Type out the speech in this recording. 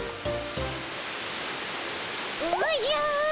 おじゃ！